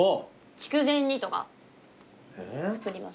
筑前煮とか。えぇー？作ります。